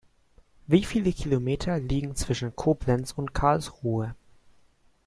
Wie viele Kilometer liegen zwischen Koblenz und Karlsruhe?